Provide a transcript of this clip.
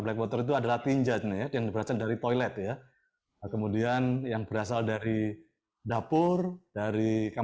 black water itu adalah tinja yang berasal dari toilet ya kemudian yang berasal dari dapur dari